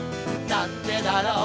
なんでだろう